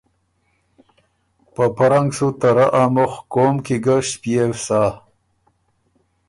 په پۀ رنګ سُو ته رۀ ا مُخ قوم کی ګۀ ݭپيېو سَۀ